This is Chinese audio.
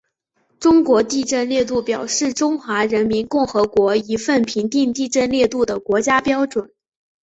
中国地震烈度表是中华人民共和国一份评定地震烈度的国家标准。